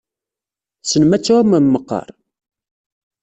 Tessnem ad tɛumem meqqar?